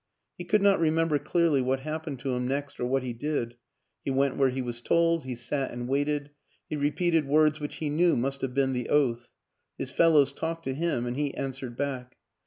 He could not re member clearly what happened to him next or what he did; he went where he was told, he sat and waited, he repeated words which he knew must have been the oath; his fellows talked to him and he answered back